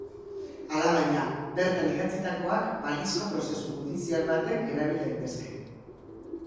Alabaina, bertan idatzitakoak balizko prozesu judizial baten erabil daitezke.